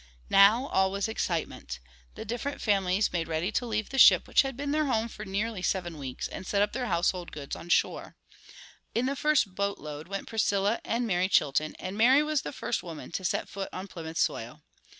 Now all was excitement. The different families made ready to leave the ship which had been their home for nearly seven weeks and set up their household goods on shore. In the first boat load went Priscilla and Mary Chilton, and Mary was the first woman to set foot on Plymouth soil.